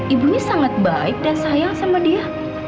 ibunya sangat baik dan sayang sama dia